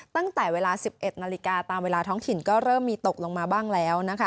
ตั้งแต่เวลา๑๑นาฬิกาตามเวลาท้องถิ่นก็เริ่มมีตกลงมาบ้างแล้วนะคะ